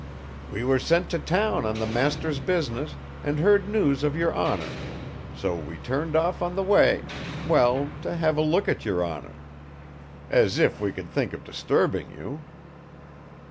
"We were sent to town on the master's business and heard news of your honor, so we turned off on the way well to have a look at your honor ... as if we could think of disturbing you!"